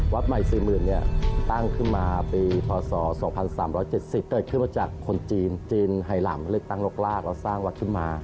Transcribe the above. วัดใหม่๔๐๐๐เนี่ยตั้งขึ้นมาปีพศ๒๓๗๐เกิดขึ้นมาจากคนจีนจีนไฮลัมเลือกตั้งลกลากแล้วสร้างวัดขึ้นมา